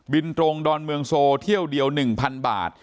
ตรงดอนเมืองโซเที่ยวเดียว๑๐๐๐บาท